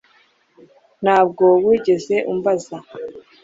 Ntabwo wigeze umbaza